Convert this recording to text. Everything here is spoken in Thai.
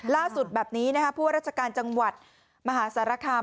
ล่าสุดแบบนี้ผู้ว่าราชการจังหวัดมหาสารคาม